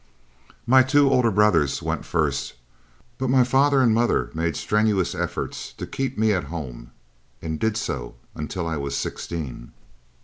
My two older brothers went first, but my father and mother made strenuous efforts to keep me at home, and did so until I was sixteen.